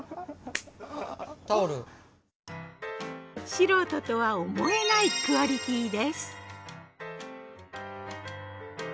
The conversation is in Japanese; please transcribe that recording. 素人とは思えないクオリティーです。